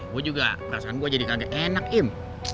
gue juga perasaan gue jadi gak enak im